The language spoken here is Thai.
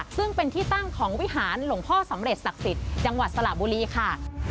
ซึ่งเป็นที่ตั้งของวิหารหลวงพ่อสำเร็จศักดิ์สิทธิ์จังหวัดสระบุรีค่ะ